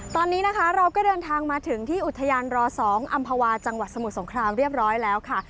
ตอนนี้นะคะเราก็เดินทางมาถึงที่อุทยานร๒อำภาวาจังหวัดสมุทรสงครามเรียบร้อยแล้วค่ะ